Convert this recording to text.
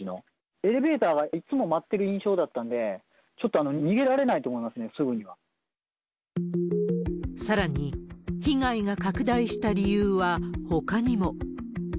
エレベーターはいつも待ってる印象だったんで、ちょっと逃げられさらに、被害が拡大した理由はほかにも。